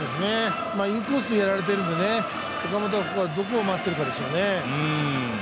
インコースでやられているんで、岡本はここはどこを待っているかですよね。